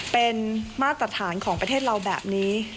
เป็นมาตรฐานของประเทศเราแบบนี้